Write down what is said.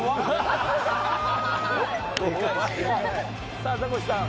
さあザコシさん。